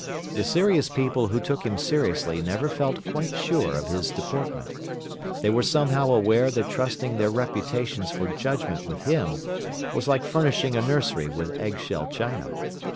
The serious people who took him seriously never felt quite sure of his deportment; they were somehow aware that trusting their reputations for judgment with him was like furnishing a nursery with eggshell china.